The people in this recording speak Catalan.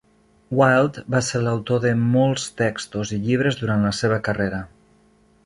Wyld va ser l'autor de molts textos i llibres durant la seva carrera.